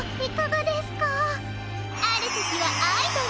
あるときはアイドル。